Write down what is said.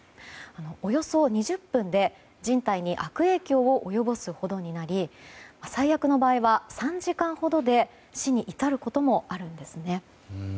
およそ２０分で、人体に悪影響を及ぼすほどになり最悪の場合は３時間ほどで死に至ることもあるんですね。